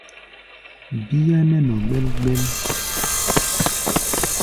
Bíá nɛ́ nɔ gbɛl-gbɛl.